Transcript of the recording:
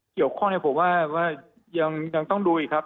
เกี่ยวข้องเนี่ยผมว่ายังต้องดูอีกครับ